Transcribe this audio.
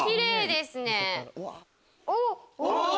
おっ！